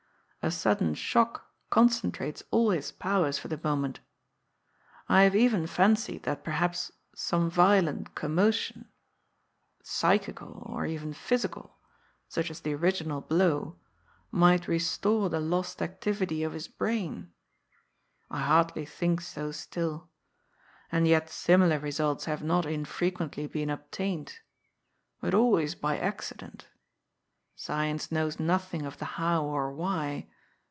A sudden shock concentrates all his powers for the moment. I have even fancied that perhaps some violent commotion, psy chical, or may be only physical, such as the original blow, might restore the lost activity of his brain. I hardly think so still. And yet similar results have not infrequently been obtained, but always by accident. Science knows nothing of the how or why.